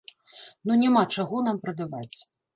Ну няма чаго нам прадаваць.